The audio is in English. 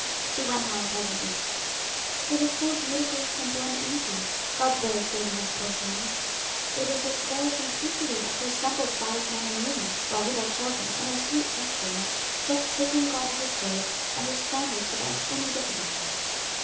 She went on presently. "It is so beautifully simple and easy, God's way of saving us poor sinners: it is its very simplicity that so stumbles wise men and women, while little children, in their sweet trustfulness, just taking God at His word, understand it without any difficulty."